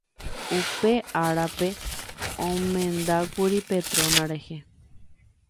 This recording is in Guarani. upe árape omendákuri Petrona rehe